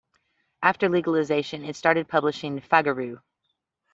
After legalization it started publishing "Fagaru".